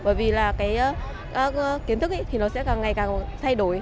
bởi vì là cái kiến thức thì nó sẽ càng ngày càng thay đổi